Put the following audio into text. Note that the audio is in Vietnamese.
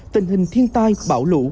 tình hình thiên tai bão lũ